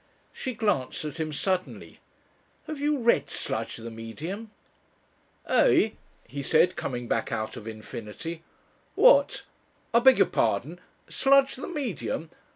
She glanced at him suddenly. "Have you read Sludge the Medium?" "Eigh?" he said, coming back out of infinity. "What? I beg your pardon. Sludge, the Medium?